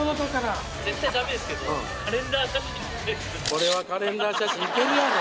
これはカレンダー写真いけるやろ。